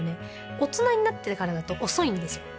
大人になってからだと遅いんですよ